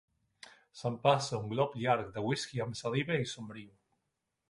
S'empassa un glop llarg de whisky amb saliva i somriu.